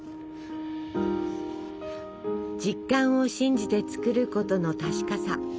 実感を信じて作ることの確かさ。